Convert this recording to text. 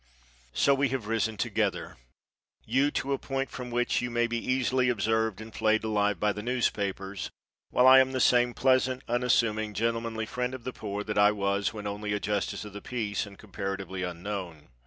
So we have risen together, you to a point from which you may be easily observed and flayed alive by the newspapers, while I am the same pleasant, unassuming, gentlemanly friend of the poor that I was when only a justice of the peace and comparatively unknown.